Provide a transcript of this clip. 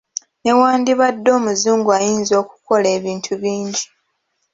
Newandibadde omuzungu ayinza okukola ebintu bingi.